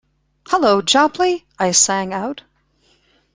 “Hullo, Jopley,” I sang out.